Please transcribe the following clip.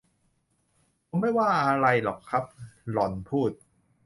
ผมไม่ว่าอะไรหรอกครับ หล่อนพูด